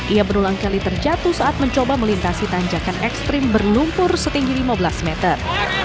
ia berulang kali terjatuh saat mencoba melintasi tanjakan ekstrim berlumpur setinggi lima belas meter